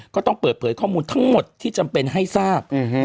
ก็ต้องเปิดเผยข้อมูลทั้งหมดที่จำเป็นให้ทราบ